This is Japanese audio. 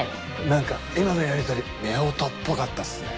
なんか今のやり取り夫婦っぽかったっすね。